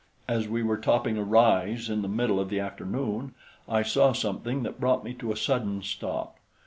As we were topping a rise in the middle of the afternoon, I saw something that brought me to a sudden stop.